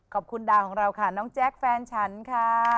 ขอบคุณดาวของเราค่ะน้องแจ๊คแฟนฉันค่ะ